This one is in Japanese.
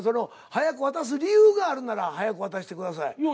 早く渡す理由があるなら早く渡してください。